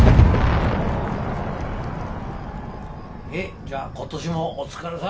じゃあ今年もお疲れさん！